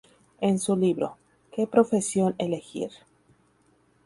En su libro '¿Que profesión elegir?